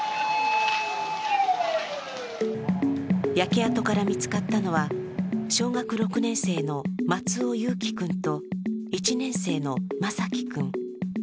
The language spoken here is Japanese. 焼け跡から見つかったのは、小学６年生の松尾侑城君と１年生の眞輝君。